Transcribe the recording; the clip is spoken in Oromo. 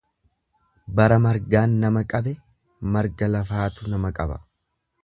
Bara margaan nama qabe marga lafaatu nama qaba.